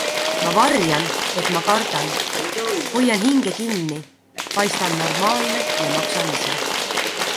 Ma varjan, et ma kardan, hoian hinge kinni, paistan normaalne ja maksan ise.